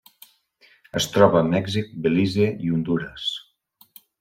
Es troba a Mèxic, Belize i Hondures.